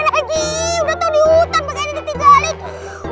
udah tau di hutan makanya ditigalik